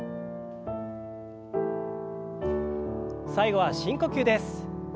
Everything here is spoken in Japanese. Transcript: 最後は深呼吸です。